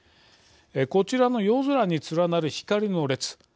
こちらの夜空に連なる光の列。